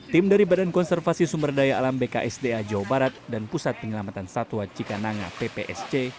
tim dari badan konservasi sumber daya alam bksda jawa barat dan pusat penyelamatan satwa cikananga ppsc